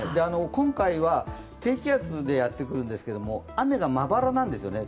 今回は低気圧でやってくるんですけれども雨がまばらなんですよね。